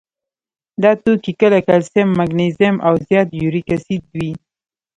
دا توکي کله کلسیم، مګنیزیم او زیات یوریک اسید وي.